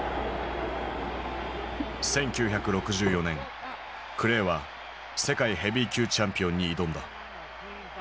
１９６４年クレイは世界ヘビー級チャンピオンに挑んだ。